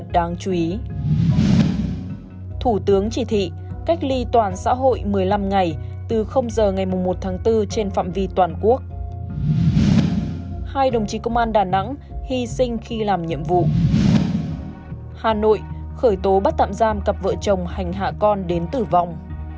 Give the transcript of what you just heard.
hà nội khởi tố bắt tạm giam cặp vợ chồng hành hạ con đến tử vong